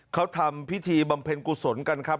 เขาทำพิธีบำเพ็ญกุศลกันครับ